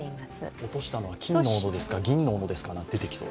落としたのは金の斧ですか、銀の斧ですかって出てきそう。